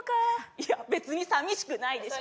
いや別に寂しくないでしょ。